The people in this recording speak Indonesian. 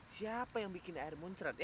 siapa yang bikin air muncrat ya